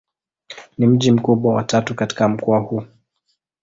Ni mji mkubwa wa tatu katika mkoa huu.